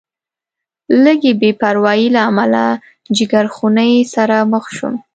لږې بې پروایۍ له امله جیګرخونۍ سره مخ شوم.